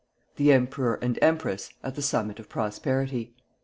THE EMPEROR AND EMPRESS AT THE SUMMIT OF PROSPERITY.